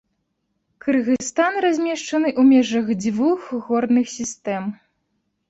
Кыргызстан размешчаны ў межах двух горных сістэм.